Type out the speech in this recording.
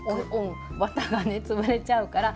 綿がね潰れちゃうからまあ。